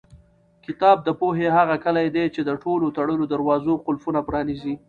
کتاب د پوهې هغه کلۍ ده چې د ټولو تړلو دروازو قلفونه پرانیزي.